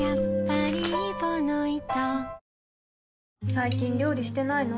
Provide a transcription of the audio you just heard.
最近料理してないの？